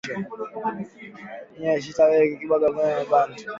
Miye shita weza kwiba myoko ya bantu